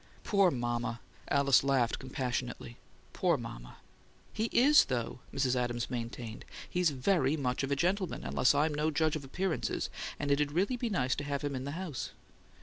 "Poor mama!" Alice laughed compassionately. "Poor mama!" "He is, though," Mrs. Adams maintained. "He's very much of a gentleman, unless I'm no judge of appearances; and it'll really be nice to have him in the house."